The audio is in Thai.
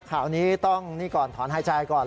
ข่าวนี้ต้องนี่ก่อนถอนหายใจก่อน